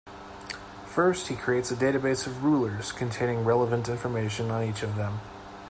First, he creates a database of rulers, containing relevant information on each of them.